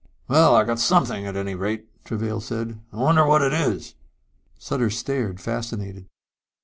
"Well, we got something at any rate," Travail said. "I wonder what it is." Sutter stared, fascinated.